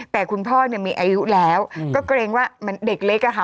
แต่คุณพ่อเนี่ยมีอายุแล้วก็เกรงว่าเหมือนเด็กเล็กอะค่ะ